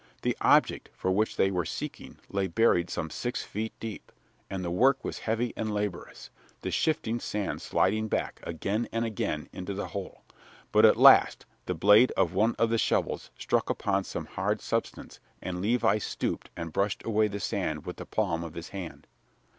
The object for which they were seeking lay buried some six feet deep, and the work was heavy and laborious, the shifting sand sliding back, again and again, into the hole. But at last the blade of one of the shovels struck upon some hard substance and Levi stooped and brushed away the sand with the palm of his hand.